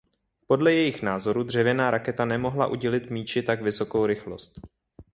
Podle jejich názoru dřevěná raketa nemohla udělit míči tak vysokou rychlost.